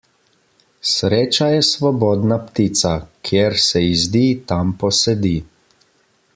Sreča je svobodna ptica; kjer se ji zdi, tam posedi.